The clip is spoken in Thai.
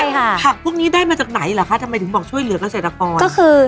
ผักพวกนี้ได้มาจากไหนล่ะคะทำไมถึงบอกช่วยเหลือกเกษตรกร